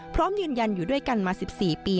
พร้อมยืนยันอยู่ด้วยกันมา๑๔ปี